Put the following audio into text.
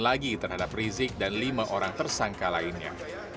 lagi terhadap rizik dan lima orang tersangka lainnya